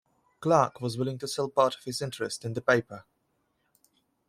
Clarke was willing to sell part of his interest in the paper.